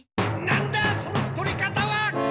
なんだその太り方は！